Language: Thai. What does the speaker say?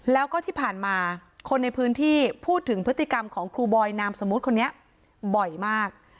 แล้วก็ที่ผ่านมาคนในพื้นที่พูดถึงพฤติกรรมของครูบอยนามสมมุติคนนี้บ่อยมาก